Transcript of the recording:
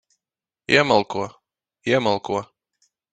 Iemalko. Iemalko.